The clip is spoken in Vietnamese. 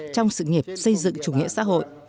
trong sự nghiệp xây dựng chủ nghĩa xã hội